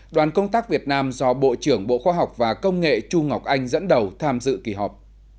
đoàn công tác việt nam do bộ trưởng bộ khoa học và công nghệ chu ngọc anh dẫn đầu tham dự kỳ họp